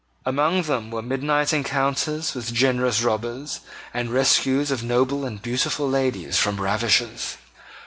Among them were midnight encounters with generous robbers, and rescues of noble and beautiful ladies from ravishers.